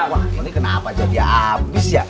wah ini kenapa jadi abis ya